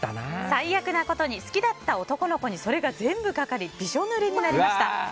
最悪なことに好きだった男の子にそれが全部かかりびしょぬれになりました。